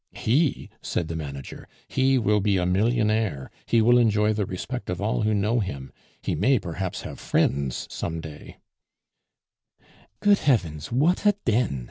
"He!" said the manager. "He will be a millionaire; he will enjoy the respect of all who know him; he may perhaps have friends some day " "Good heavens! what a den!"